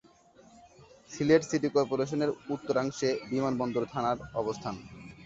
Sylhet city কর্পোরেশনের উত্তরাংশে বিমানবন্দর থানার অবস্থান।